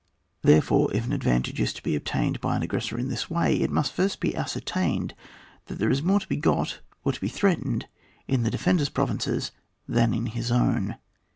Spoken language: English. Therefore, if an advantage is to be obtained by an aggressor in this way, it must first be ascertained that there is more to be got or to be threatened in the defender's pro vinces than in his own.